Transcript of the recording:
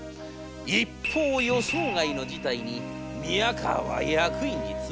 一方予想外の事態に宮河は役員に詰められる。